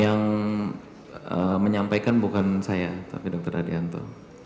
yang menyampaikan bukan saya tapi dokter adianto